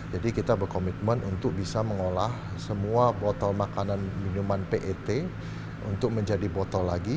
jadi kita berkomitmen untuk bisa mengolah semua botol makanan minuman pet untuk menjadi botol lagi